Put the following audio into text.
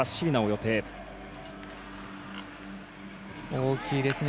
大きいですね。